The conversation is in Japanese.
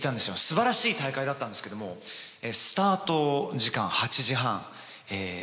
すばらしい大会だったんですけどもスタート時間８時半３１℃でした。